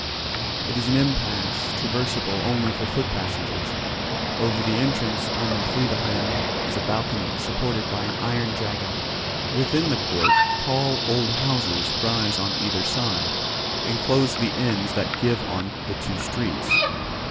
It is an "impasse"; traversable only for foot passengers. Over the entrance on the Rue de Rennes is a balcony, supported by an iron dragon. Within the court tall old houses rise on either side, and close the ends that give on the two streets.